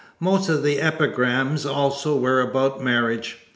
Most of the epigrams also were about marriage.